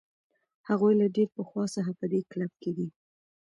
هغوی له ډېر پخوا څخه په دې کلب کې دي.